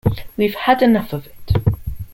We've had enough of it.